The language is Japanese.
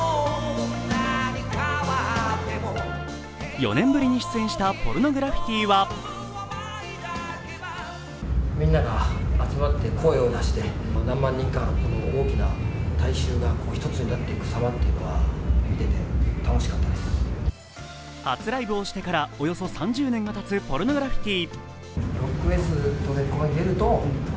４年ぶりに出演したポルノグラフィティは初ライブをしてからおよそ３０年がたつポルノグラフィティ。